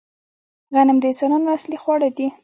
غنم د انسانانو اصلي خواړه دي